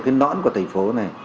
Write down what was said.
cái nõn của thành phố này